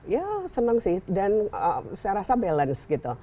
ya senang sih dan saya rasa balance gitu